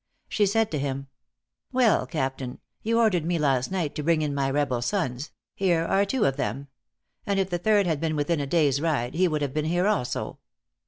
She said to him, "Well, Captain, you ordered me last night to bring in my rebel sons. Here are two of them; and if the third had been within a day's ride, he would have been here also."